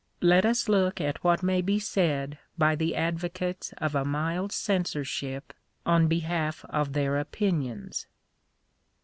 Let us look at what may be said by the advocates of a mild censorship on behalf of their opinions.